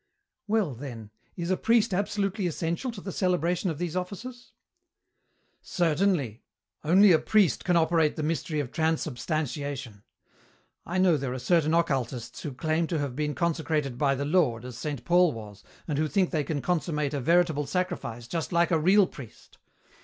"Well, then, is a priest absolutely essential to the celebration of these offices?" "Certainly. Only a priest can operate the mystery of Transubstantiation. I know there are certain occultists who claim to have been consecrated by the Lord, as Saint Paul was, and who think they can consummate a veritable sacrifice just like a real priest.